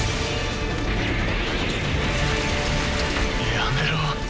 やめろ。